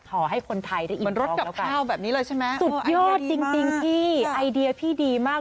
หอให้คนไทยได้อิ่มท้องแล้วกันสุดยอดจริงพี่ไอเดียพี่ดีมาก